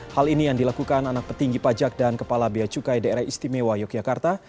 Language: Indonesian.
hal ini yang dilakukan anak petinggi pajak dan kepala bia cukai daerah istimewa yogyakarta